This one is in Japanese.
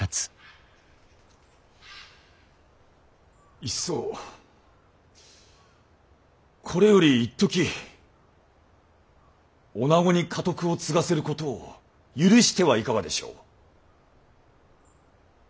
いっそこれよりいっとき女子に家督を継がせることを許してはいかがでしょう。